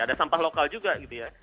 ada sampah lokal juga gitu ya